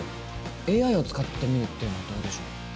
ＡＩを使ってみるっていうのはどうでしょう？